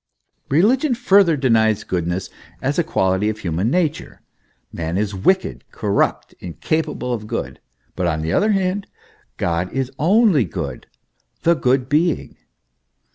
* Religion further denies goodness as a quality of human nature; man is wicked, corrupt, incapable of good ; but on the other hand, God is only good the Good Being.